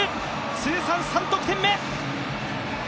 通算３得点目！